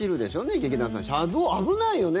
劇団さん、車道危ないよね。